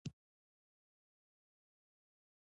ښایست له بدو لفظونو نه پناه غواړي